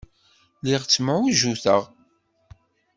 Lliɣ ttemɛujjuteɣ.